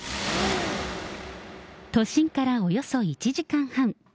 都心からおよそ１時間半。